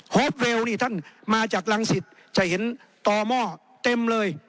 ฮอฟเวลนี่ท่านมาจากรังสิตจะเห็นต่อหม้อเต็มเลย